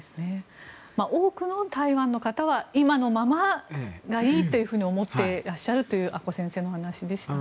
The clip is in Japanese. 多くの台湾の方は今のままがいいというふうに思っていらっしゃるという阿古先生の話でした。